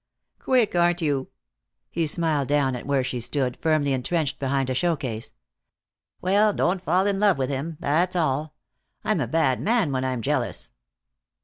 "Quick, aren't you?" He smiled down at where she stood, firmly entrenched behind a show case. "Well, don't fall in love with him. That's all. I'm a bad man when I'm jealous."